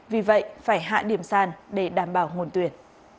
vì vậy phải hạ điểm sàn để đảm bảo nguồn tuyển